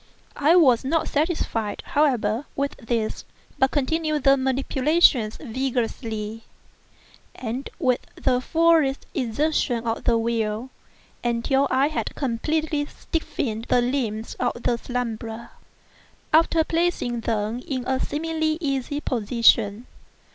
I was not satisfied, however, with this, but continued the manipulations vigorously, and with the fullest exertion of the will, until I had completely stiffened the limbs of the slumberer, after placing them in a seemingly easy position.